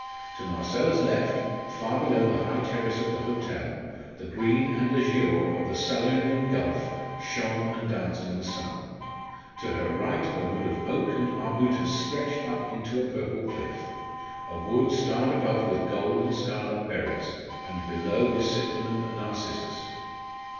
To Marcella's left, far below the high terrace of the hotel, the green and azure of the Salernian gulf shone and danced in the sun, to her right a wood of oak and arbutus stretched up into a purple cliff a wood starred above with gold and scarlet berries, and below with cyclamen and narcissus.